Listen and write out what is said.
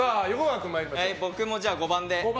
僕も５番で。